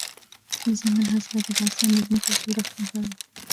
دځنګل حاصلات د افغانستان د ځمکې د جوړښت نښه ده.